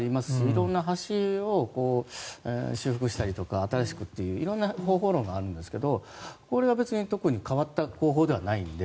色んな橋を修復したりとか新しくという色んな方法論があるんですがこれは別に特に変わった工法ではないので。